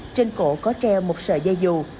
trên cổ có treo một sợi dây dù